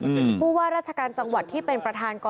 พตรพูดถึงเรื่องนี้ยังไงลองฟังกันหน่อยค่ะ